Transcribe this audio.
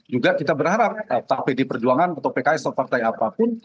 juga kita berharap pak pd perjuangan atau pks atau partai apapun